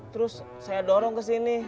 terus saya dorong ke sini